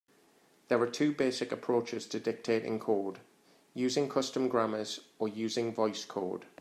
There are two basic approaches to dictating code: using custom grammars or using VoiceCode.